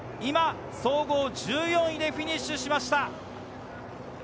総合１４位でフィニッシュしました。